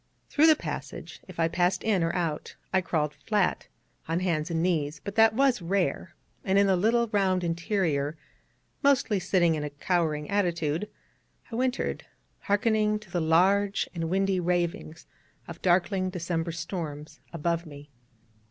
Through the passage, if I passed in or out, I crawled flat, on hands and knees: but that was rare: and in the little round interior, mostly sitting in a cowering attitude, I wintered, harkening to the large and windy ravings of darkling December storms above me.